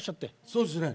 そうですね